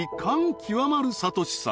極まる諭さん